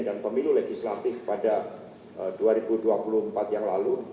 dan pemilu legislatif pada dua ribu dua puluh empat yang lalu